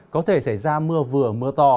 có thể xảy ra mưa vừa mưa to